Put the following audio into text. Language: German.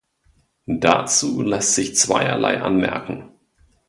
Dazu lässt sich zweierlei anmerken.